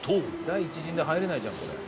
第一陣で入れないじゃんこれ。